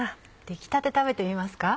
出来たて食べてみますか？